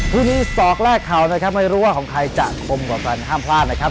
คู่นี้ศอกแรกเข่านะครับไม่รู้ว่าของใครจะคมกว่ากันห้ามพลาดนะครับ